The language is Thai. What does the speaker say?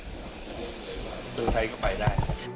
ตัวไทยก็ไปได้